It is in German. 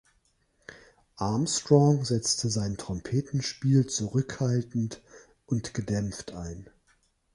Armstrong setzte sein Trompetenspiel zurückhaltend und gedämpft ein.